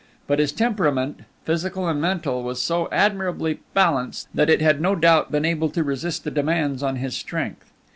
But his temperament, physical and mental, was so admirably balanced, that it had no doubt been able to resist the demands on his strength.